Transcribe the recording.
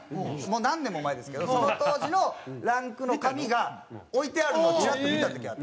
もう何年も前ですけどその当時のランクの紙が置いてあるのをチラッと見た時あって。